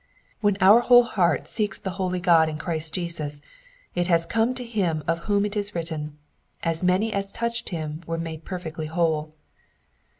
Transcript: When our whole heart seeks the holy God in Christ Jesus it has come to him of whom it is written, as many as touched Him were made perfectly whole."